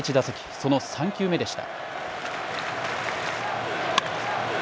その３球目でした。